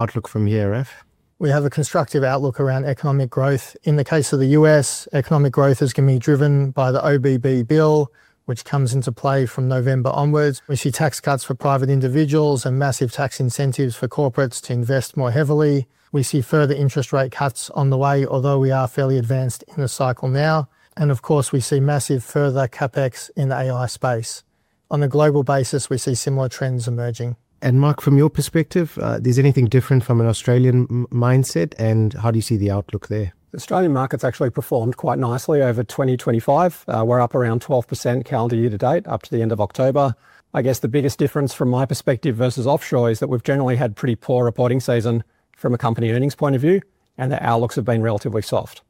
Outlook from here, Ralph. We have a constructive outlook around economic growth. In the case of the U.S., economic growth is going to be driven by the OBB bill, which comes into play from November onwards. We see tax cuts for private individuals and massive tax incentives for corporates to invest more heavily. We see further interest rate cuts on the way, although we are fairly advanced in the cycle now. Of course, we see massive further CapEx in the AI space. On a global basis, we see similar trends emerging. Mark, from your perspective, is there anything different from an Australian mindset, and how do you see the outlook there? The Australian markets actually performed quite nicely over 2025. We're up around 12% calendar year to date up to the end of October. I guess the biggest difference from my perspective versus offshore is that we've generally had pretty poor reporting season from a company earnings point of view, and the outlooks have been relatively soft.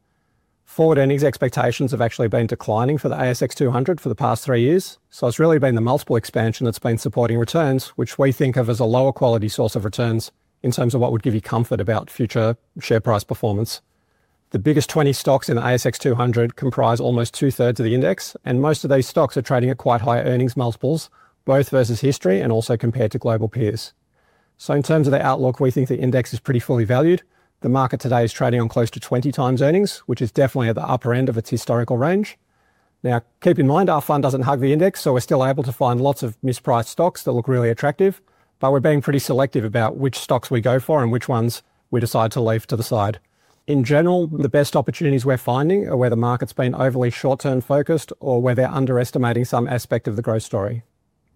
Forward earnings expectations have actually been declining for the ASX 200 for the past three years. It's really been the multiple expansion that's been supporting returns, which we think of as a lower quality source of returns in terms of what would give you comfort about future share price performance. The biggest 20 stocks in the ASX 200 comprise almost two-thirds of the index, and most of those stocks are trading at quite high earnings multiples, both versus history and also compared to global peers. In terms of the outlook, we think the index is pretty fully valued. The market today is trading on close to 20 times earnings, which is definitely at the upper end of its historical range. Now, keep in mind, our fund does not hug the index, so we are still able to find lots of mispriced stocks that look really attractive, but we are being pretty selective about which stocks we go for and which ones we decide to leave to the side. In general, the best opportunities we are finding are where the market has been overly short-term focused or where they are underestimating some aspect of the growth story.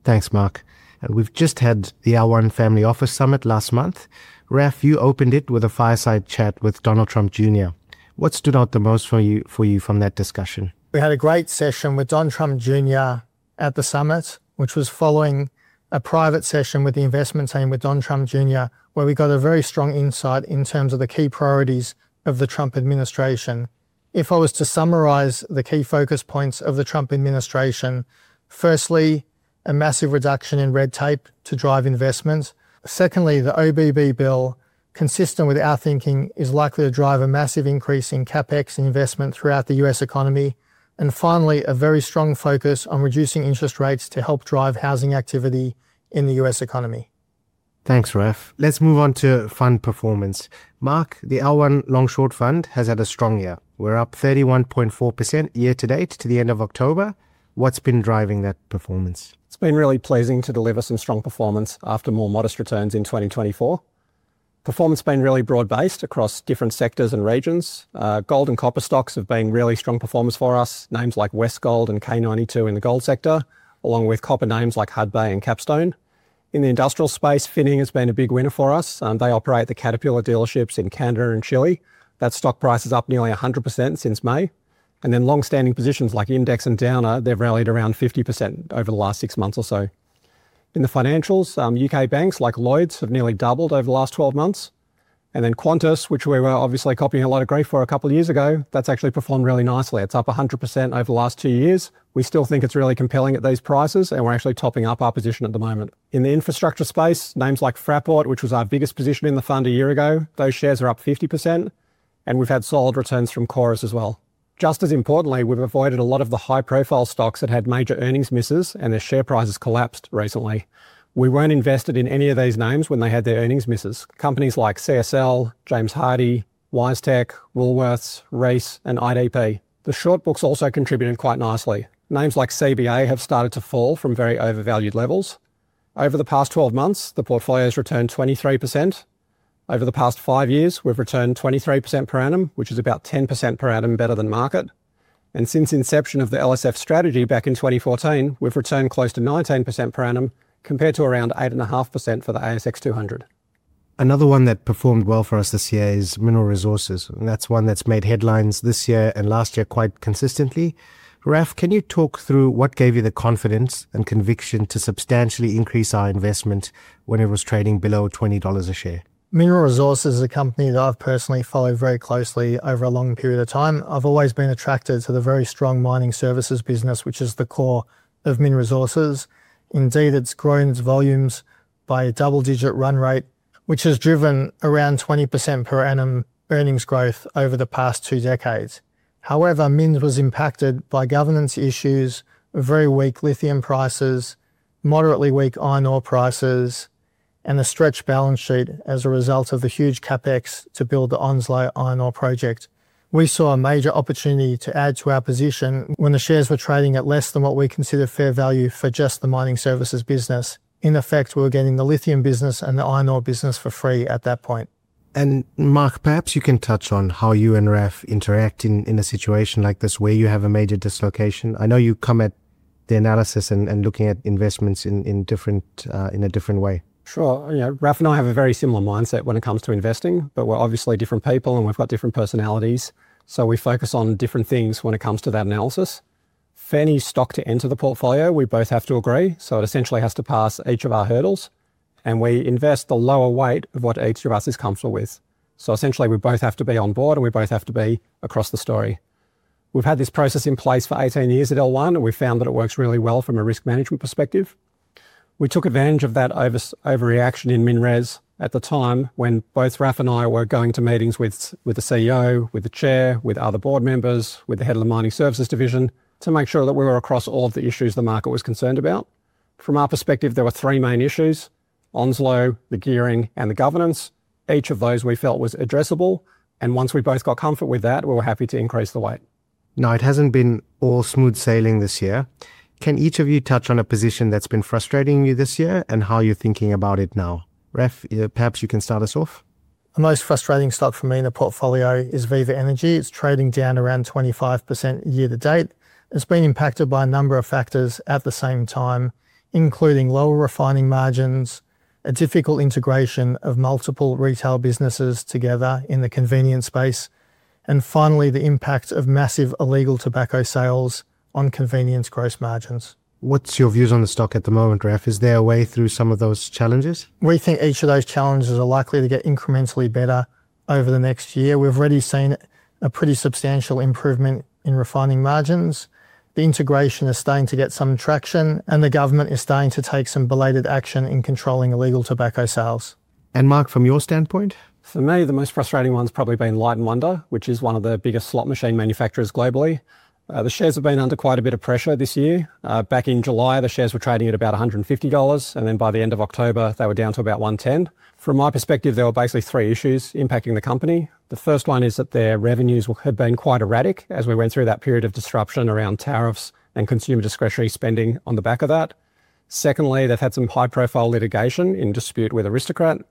Thanks, Mark. We've just had the L1 Family Office Summit last month. Ralph, you opened it with a fireside chat with Donald Trump Jr. What stood out the most for you from that discussion? We had a great session with Donald Trump Jr. at the summit, which was following a private session with the investment team with Donald Trump Jr., where we got a very strong insight in terms of the key priorities of the Trump administration. If I was to summarize the key focus points of the Trump administration, firstly, a massive reduction in red tape to drive investment. Secondly, the OBB bill, consistent with our thinking, is likely to drive a massive increase in CapEx and investment throughout the U.S. economy. Finally, a very strong focus on reducing interest rates to help drive housing activity in the U.S. economy. Thanks, Ralph. Let's move on to fund performance. Mark, the L1 Long Short Fund has had a strong year. We're up 31.4% year to date to the end of October. What's been driving that performance? It's been really pleasing to deliver some strong performance after more modest returns in 2024. Performance has been really broad-based across different sectors and regions. Gold and copper stocks have been really strong performers for us, names like Westgold and K92 in the gold sector, along with copper names like Hudbay and Capstone. In the industrial space, Finning has been a big winner for us. They operate the Caterpillar dealerships in Canada and Chile. That stock price is up nearly 100% since May. Long-standing positions like Index and Downer, they've rallied around 50% over the last six months or so. In the financials, U.K. banks like Lloyds have nearly doubled over the last 12 months. Qantas, which we were obviously copying a lot of growth for a couple of years ago, that's actually performed really nicely. It's up 100% over the last two years. We still think it's really compelling at these prices, and we're actually topping up our position at the moment. In the infrastructure space, names like Fraport, which was our biggest position in the fund a year ago, those shares are up 50%, and we've had solid returns from Corus as well. Just as importantly, we've avoided a lot of the high-profile stocks that had major earnings misses, and their share prices collapsed recently. We weren't invested in any of these names when they had their earnings misses. Companies like CSL, James Hardie, WiseTech, Woolworths, REA Group, and IDP. The short books also contributed quite nicely. Names like CBA have started to fall from very overvalued levels. Over the past 12 months, the portfolio's returned 23%. Over the past five years, we've returned 23% per annum, which is about 10% per annum better than market. Since the inception of the LSF strategy back in 2014, we've returned close to 19% per annum compared to around 8.5% for the ASX 200. Another one that performed well for us this year is Mineral Resources. That's one that's made headlines this year and last year quite consistently. Ralph, can you talk through what gave you the confidence and conviction to substantially increase our investment when it was trading below $20 a share? Mineral Resources is a company that I've personally followed very closely over a long period of time. I've always been attracted to the very strong mining services business, which is the core of Mineral Resources. Indeed, it's grown its volumes by a double-digit run rate, which has driven around 20% per annum earnings growth over the past two decades. However, Min was impacted by governance issues, very weak lithium prices, moderately weak iron ore prices, and a stretched balance sheet as a result of the huge CapEx to build the Onslow iron ore project. We saw a major opportunity to add to our position when the shares were trading at less than what we consider fair value for just the mining services business. In effect, we were getting the lithium business and the iron ore business for free at that point. Mark, perhaps you can touch on how you and Ralph interact in a situation like this where you have a major dislocation. I know you come at the analysis and looking at investments in a different way. Sure. Ralph and I have a very similar mindset when it comes to investing, but we're obviously different people and we've got different personalities. We focus on different things when it comes to that analysis. For any stock to enter the portfolio, we both have to agree. It essentially has to pass each of our hurdles, and we invest the lower weight of what each of us is comfortable with. We both have to be on board and we both have to be across the story. We've had this process in place for 18 years at L1, and we found that it works really well from a risk management perspective. We took advantage of that overreaction in MinRes at the time when both Ralph and I were going to meetings with the CEO, with the Chair, with other board members, with the head of the mining services division to make sure that we were across all of the issues the market was concerned about. From our perspective, there were three main issues: Onslow, the gearing, and the governance. Each of those we felt was addressable. Once we both got comfort with that, we were happy to increase the weight. Now, it hasn't been all smooth sailing this year. Can each of you touch on a position that's been frustrating you this year and how you're thinking about it now? Ralph, perhaps you can start us off. The most frustrating stock for me in the portfolio is Viva Energy. It's trading down around 25% year to date. It's been impacted by a number of factors at the same time, including lower refining margins, a difficult integration of multiple retail businesses together in the convenience space, and finally, the impact of massive illegal tobacco sales on convenience gross margins. What's your views on the stock at the moment, Ralph? Is there a way through some of those challenges? We think each of those challenges are likely to get incrementally better over the next year. We've already seen a pretty substantial improvement in refining margins. The integration is starting to get some traction, and the government is starting to take some belated action in controlling illegal tobacco sales. Mark, from your standpoint? For me, the most frustrating one's probably been Light & Wonder, which is one of the biggest slot machine manufacturers globally. The shares have been under quite a bit of pressure this year. Back in July, the shares were trading at about $150, and then by the end of October, they were down to about $110. From my perspective, there were basically three issues impacting the company. The first one is that their revenues had been quite erratic as we went through that period of disruption around tariffs and consumer discretionary spending on the back of that. Secondly, they've had some high-profile litigation in dispute with Aristocrat.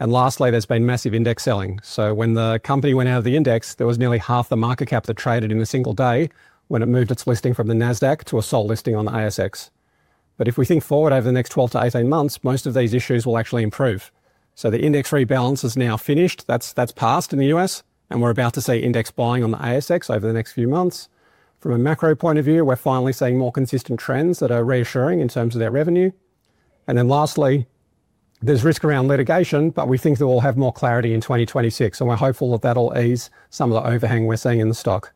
Lastly, there's been massive index selling. When the company went out of the index, there was nearly half the market cap that traded in a single day when it moved its listing from the NASDAQ to a sole listing on the ASX. If we think forward over the next 12-18 months, most of these issues will actually improve. The index rebalance is now finished. That has passed in the U.S., and we're about to see index buying on the ASX over the next few months. From a macro point of view, we're finally seeing more consistent trends that are reassuring in terms of their revenue. Lastly, there's risk around litigation, but we think they will have more clarity in 2026, and we're hopeful that will ease some of the overhang we're seeing in the stock.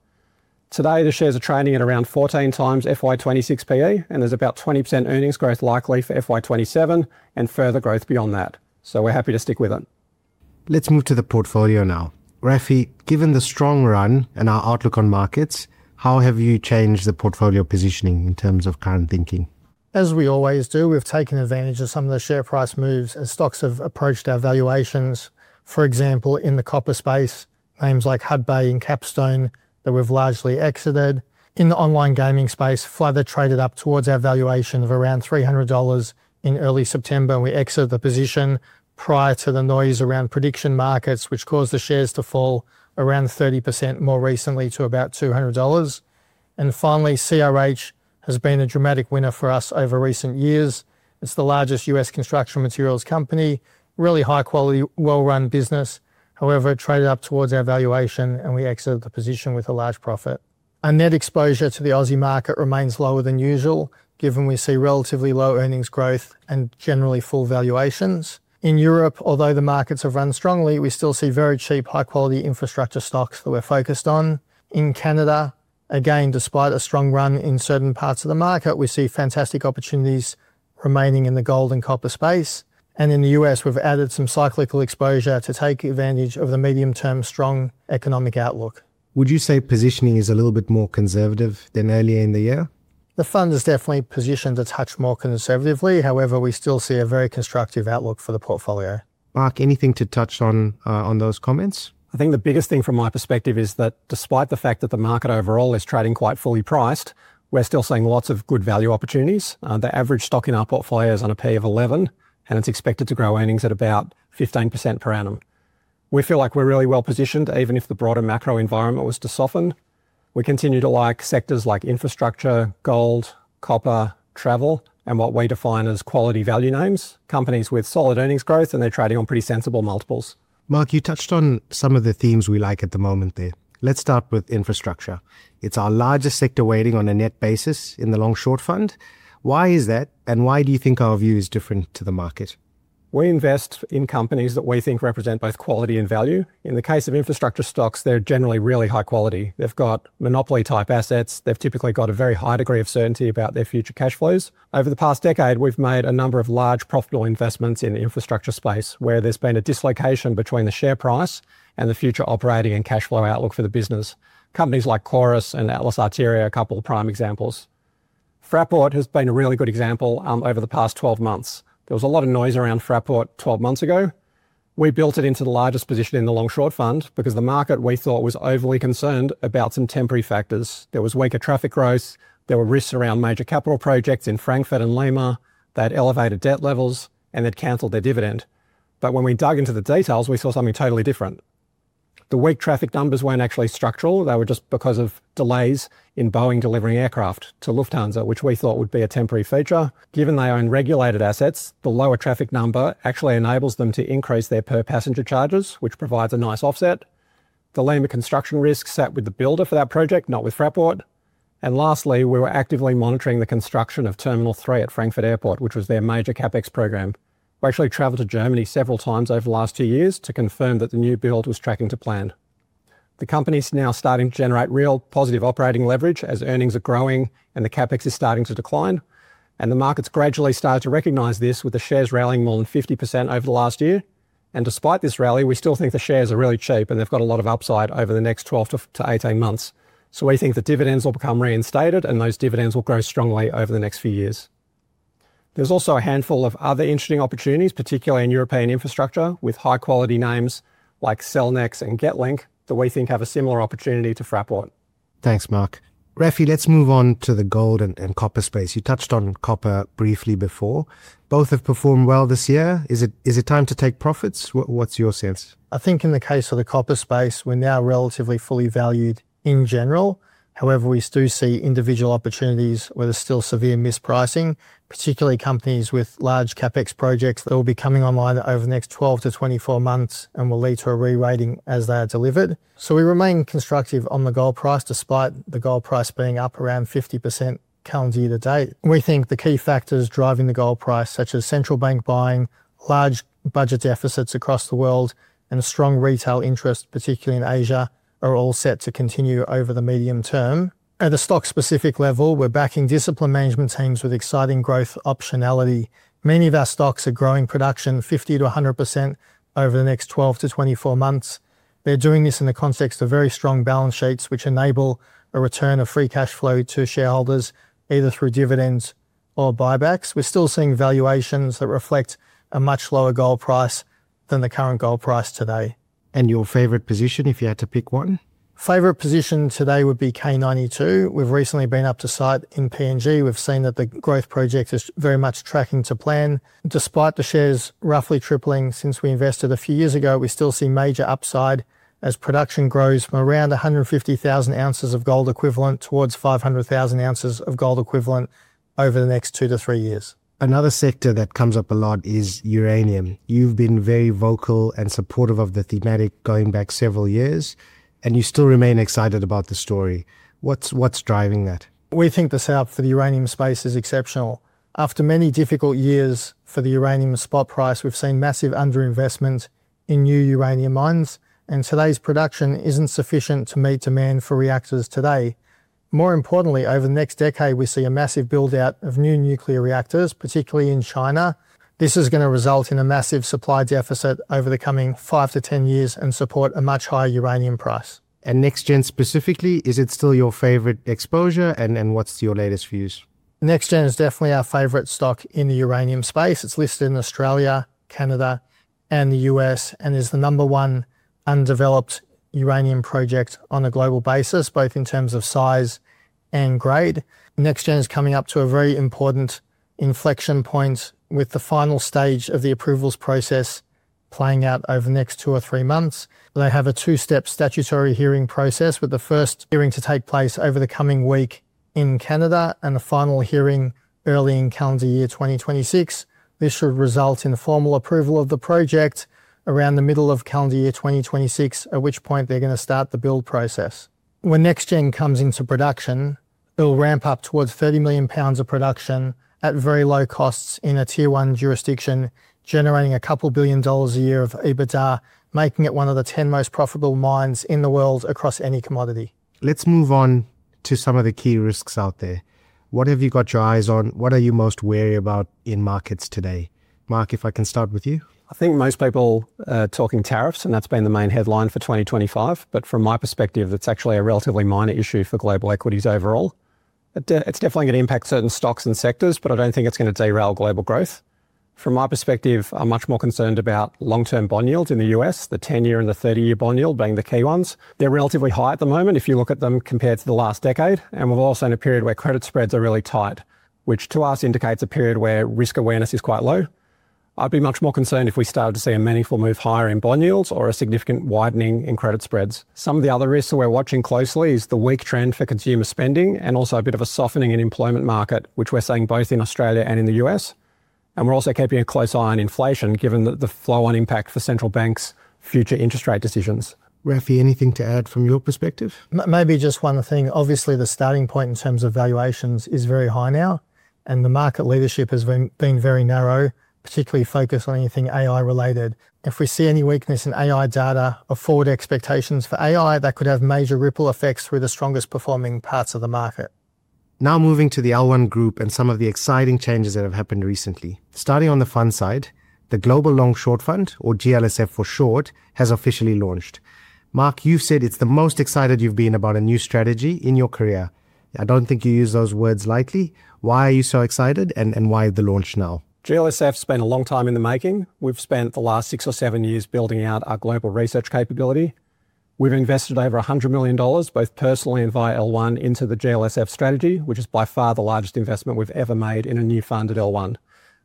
Today, the shares are trading at around 14 times FY26 PE, and there's about 20% earnings growth likely for FY27 and further growth beyond that. We're happy to stick with it. Let's move to the portfolio now. Ralphie, given the strong run and our outlook on markets, how have you changed the portfolio positioning in terms of current thinking? As we always do, we've taken advantage of some of the share price moves as stocks have approached our valuations. For example, in the copper space, names like Hudbay and Capstone that we've largely exited. In the online gaming space, Flutter traded up towards our valuation of around $300 in early September, and we exited the position prior to the noise around prediction markets, which caused the shares to fall around 30% more recently to about $200. Finally, CRH has been a dramatic winner for us over recent years. It's the largest U.S. construction materials company, really high quality, well-run business. However, it traded up towards our valuation, and we exited the position with a large profit. Our net exposure to the Aussie market remains lower than usual, given we see relatively low earnings growth and generally full valuations. In Europe, although the markets have run strongly, we still see very cheap, high-quality infrastructure stocks that we're focused on. In Canada, again, despite a strong run in certain parts of the market, we see fantastic opportunities remaining in the gold and copper space. In the U.S., we've added some cyclical exposure to take advantage of the medium-term strong economic outlook. Would you say positioning is a little bit more conservative than earlier in the year? The fund is definitely positioned a touch more conservatively. However, we still see a very constructive outlook for the portfolio. Mark, anything to touch on those comments? I think the biggest thing from my perspective is that despite the fact that the market overall is trading quite fully priced, we're still seeing lots of good value opportunities. The average stock in our portfolio is on a PE of 11, and it's expected to grow earnings at about 15% per annum. We feel like we're really well positioned, even if the broader macro environment was to soften. We continue to like sectors like infrastructure, gold, copper, travel, and what we define as quality value names, companies with solid earnings growth, and they're trading on pretty sensible multiples. Mark, you touched on some of the themes we like at the moment there. Let's start with infrastructure. It's our largest sector weighting on a net basis in the Long Short Fund. Why is that, and why do you think our view is different to the market? We invest in companies that we think represent both quality and value. In the case of infrastructure stocks, they're generally really high quality. They've got monopoly type assets. They've typically got a very high degree of certainty about their future cash flows. Over the past decade, we've made a number of large profitable investments in the infrastructure space where there's been a dislocation between the share price and the future operating and cash flow outlook for the business. Companies like Chorus and Atlas Arteria are a couple of prime examples. Fraport has been a really good example over the past 12 months. There was a lot of noise around Fraport 12 months ago. We built it into the largest position in the Long Short Fund because the market we thought was overly concerned about some temporary factors. There was weaker traffic growth. There were risks around major capital projects in Frankfurt and Lima that elevated debt levels and that canceled their dividend. When we dug into the details, we saw something totally different. The weak traffic numbers were not actually structural. They were just because of delays in Boeing delivering aircraft to Lufthansa, which we thought would be a temporary feature. Given they own regulated assets, the lower traffic number actually enables them to increase their per passenger charges, which provides a nice offset. The Lima construction risk sat with the builder for that project, not with Fraport. Lastly, we were actively monitoring the construction of Terminal 3 at Frankfurt Airport, which was their major CapEx program. We actually traveled to Germany several times over the last two years to confirm that the new build was tracking to plan. The company's now starting to generate real positive operating leverage as earnings are growing and the CapEx is starting to decline. The market's gradually started to recognize this with the shares rallying more than 50% over the last year. Despite this rally, we still think the shares are really cheap and they've got a lot of upside over the next 12-18 months. We think the dividends will become reinstated and those dividends will grow strongly over the next few years. There's also a handful of other interesting opportunities, particularly in European infrastructure with high quality names like Celnex and GetLink that we think have a similar opportunity to Fraport. Thanks, Mark. Ralphie, let's move on to the gold and copper space. You touched on copper briefly before. Both have performed well this year. Is it time to take profits? What's your sense? I think in the case of the copper space, we're now relatively fully valued in general. However, we do see individual opportunities where there's still severe mispricing, particularly companies with large CapEx projects that will be coming online over the next 12-24 months and will lead to a re-rating as they are delivered. We remain constructive on the gold price despite the gold price being up around 50% calendar year to date. We think the key factors driving the gold price, such as central bank buying, large budget deficits across the world, and strong retail interest, particularly in Asia, are all set to continue over the medium term. At a stock-specific level, we're backing disciplined management teams with exciting growth optionality. Many of our stocks are growing production 50%-100% over the next 12-24 months. They're doing this in the context of very strong balance sheets, which enable a return of free cash flow to shareholders either through dividends or buybacks. We're still seeing valuations that reflect a much lower gold price than the current gold price today. Your favorite position if you had to pick one? Favorite position today would be K92. We've recently been up to site in P&G. We've seen that the growth project is very much tracking to plan. Despite the shares roughly tripling since we invested a few years ago, we still see major upside as production grows from around 150,000 ounces of gold equivalent towards 500,000 ounces of gold equivalent over the next two to three years. Another sector that comes up a lot is uranium. You've been very vocal and supportive of the thematic going back several years, and you still remain excited about the story. What's driving that? We think the setup for the uranium space is exceptional. After many difficult years for the uranium spot price, we've seen massive underinvestment in new uranium mines, and today's production isn't sufficient to meet demand for reactors today. More importantly, over the next decade, we see a massive buildout of new nuclear reactors, particularly in China. This is going to result in a massive supply deficit over the coming five to ten years and support a much higher uranium price. NextGen specifically, is it still your favorite exposure and what's your latest views? NexGen is definitely our favorite stock in the uranium space. It's listed in Australia, Canada, and the U.S., and is the number one undeveloped uranium project on a global basis, both in terms of size and grade. NexGen is coming up to a very important inflection point with the final stage of the approvals process playing out over the next two or three months. They have a two-step statutory hearing process with the first hearing to take place over the coming week in Canada and the final hearing early in calendar year 2026. This should result in a formal approval of the project around the middle of calendar year 2026, at which point they're going to start the build process. When NexGen comes into production, it'll ramp up towards 30 million pounds of production at very low costs in a tier one jurisdiction, generating a couple billion dollars a year of EBITDA, making it one of the 10 most profitable mines in the world across any commodity. Let's move on to some of the key risks out there. What have you got your eyes on? What are you most wary about in markets today? Mark, if I can start with you. I think most people are talking tariffs, and that's been the main headline for 2025. From my perspective, it's actually a relatively minor issue for global equities overall. It's definitely going to impact certain stocks and sectors, but I don't think it's going to derail global growth. From my perspective, I'm much more concerned about long-term bond yields in the U.S., the 10-year and the 30-year bond yield being the key ones. They're relatively high at the moment if you look at them compared to the last decade. We've also seen a period where credit spreads are really tight, which to us indicates a period where risk awareness is quite low. I'd be much more concerned if we started to see a meaningful move higher in bond yields or a significant widening in credit spreads. Some of the other risks we're watching closely are the weak trend for consumer spending and also a bit of a softening in the employment market, which we're seeing both in Australia and in the U.S. We're also keeping a close eye on inflation, given the flow-on impact for central banks' future interest rate decisions. Ralphie, anything to add from your perspective? Maybe just one thing. Obviously, the starting point in terms of valuations is very high now, and the market leadership has been very narrow, particularly focused on anything AI-related. If we see any weakness in AI data or forward expectations for AI, that could have major ripple effects through the strongest performing parts of the market. Now moving to the L1 Group and some of the exciting changes that have happened recently. Starting on the fund side, the Global Long Short Fund, or GLSF for short, has officially launched. Mark, you've said it's the most excited you've been about a new strategy in your career. I don't think you use those words lightly. Why are you so excited and why the launch now? GLSF has been a long time in the making. We've spent the last six or seven years building out our global research capability. We've invested over $100 million, both personally and via L1, into the GLSF strategy, which is by far the largest investment we've ever made in a new fund at L1.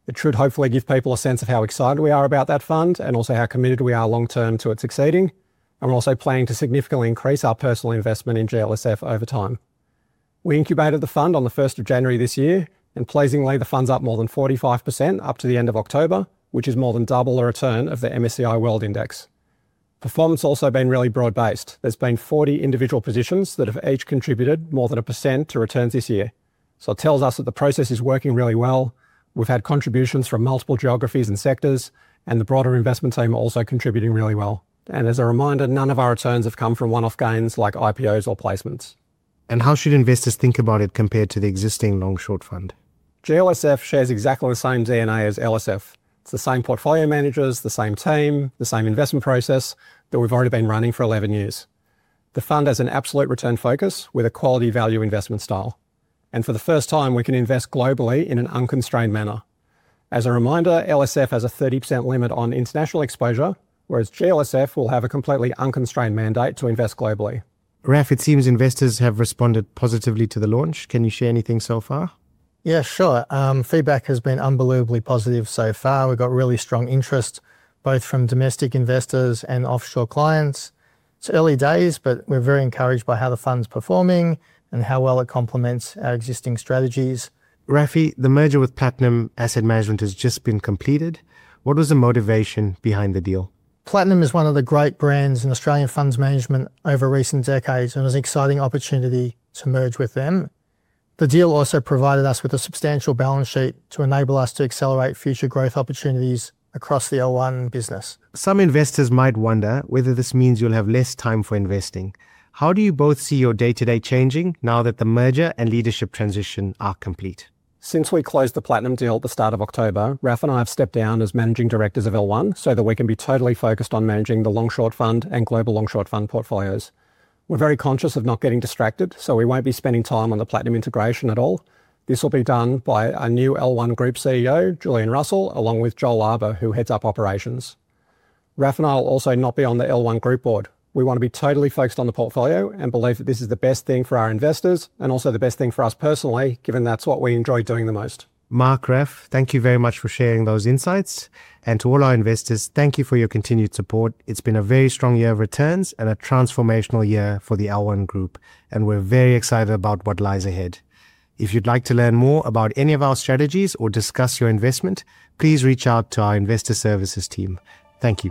It should hopefully give people a sense of how excited we are about that fund and also how committed we are long-term to its exceeding. We're also planning to significantly increase our personal investment in GLSF over time. We incubated the fund on the 1st of January this year, and pleasingly, the fund's up more than 45% up to the end of October, which is more than double the return of the MSCI World Index. Performance has also been really broad-based. have been 40 individual positions that have each contributed more than 1% to returns this year. It tells us that the process is working really well. We have had contributions from multiple geographies and sectors, and the broader investment team are also contributing really well. As a reminder, none of our returns have come from one-off gains like IPOs or placements. How should investors think about it compared to the existing Long Short Fund? GLSF shares exactly the same DNA as LSF. It's the same portfolio managers, the same team, the same investment process that we've already been running for 11 years. The fund has an absolute return focus with a quality value investment style. For the first time, we can invest globally in an unconstrained manner. As a reminder, LSF has a 30% limit on international exposure, whereas GLSF will have a completely unconstrained mandate to invest globally. Ralph, it seems investors have responded positively to the launch. Can you share anything so far? Yeah, sure. Feedback has been unbelievably positive so far. We've got really strong interest, both from domestic investors and offshore clients. It's early days, but we're very encouraged by how the fund's performing and how well it complements our existing strategies. Ralphie, the merger with Platinum Asset Management has just been completed. What was the motivation behind the deal? Platinum is one of the great brands in Australian funds management over recent decades and was an exciting opportunity to merge with them. The deal also provided us with a substantial balance sheet to enable us to accelerate future growth opportunities across the L1 business. Some investors might wonder whether this means you'll have less time for investing. How do you both see your day-to-day changing now that the merger and leadership transition are complete? Since we closed the Platinum deal at the start of October, Ralph and I have stepped down as managing directors of L1 so that we can be totally focused on managing the Long Short Fund and Global Long Short Fund portfolios. We're very conscious of not getting distracted, so we won't be spending time on the Platinum integration at all. This will be done by our new L1 Group CEO, Julian Russell, along with Joel Arber, who heads up operations. Ralph and I will also not be on the L1 Group board. We want to be totally focused on the portfolio and believe that this is the best thing for our investors and also the best thing for us personally, given that's what we enjoy doing the most. Mark, Ralph, thank you very much for sharing those insights. To all our investors, thank you for your continued support. It's been a very strong year of returns and a transformational year for the L1 Group, and we're very excited about what lies ahead. If you'd like to learn more about any of our strategies or discuss your investment, please reach out to our investor services team. Thank you.